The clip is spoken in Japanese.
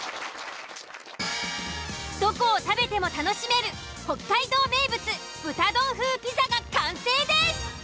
どこを食べても楽しめる北海道名物豚丼風ピザが完成です！